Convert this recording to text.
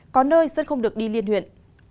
có nơi dân không được đi liên huyện